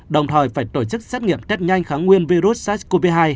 đồng thời phải tổ chức xét nghiệm test nhanh kháng nguyên virus sars cov hai